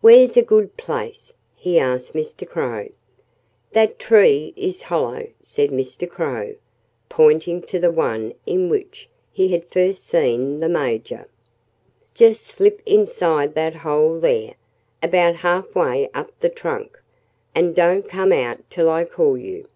"Where's a good place?" he asked Mr. Crow. "That tree is hollow," said Mr. Crow, pointing to the one in which he had first seen the Major. "Just slip inside that hole there, about half way up the trunk, and don't come out till I call you!"